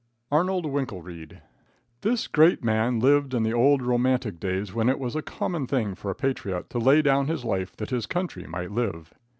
Arnold Winkelreid. This great man lived in the old romantic days when it was a common thing for a patriot to lay down his life that his country might live.